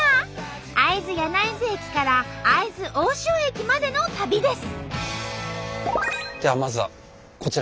会津柳津駅から会津大塩駅までの旅です。